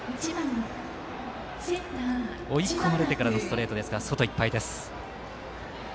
追い込まれてからのストレートですから外いっぱいです。